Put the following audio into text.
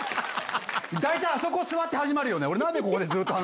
大体あそこ座って始まるよね？